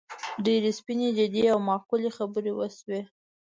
ډېرې سپینې، جدي او معقولې خبرې وشوې.